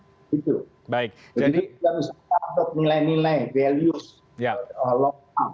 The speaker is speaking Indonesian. jadi kita harus mengadopsi nilai nilai values logam